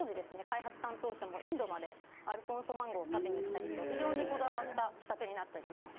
開発担当者もインドまでアルフォンソマンゴーを食べに行ったりと非常にこだわった仕立てになっております